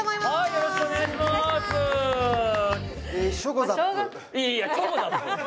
よろしくお願いします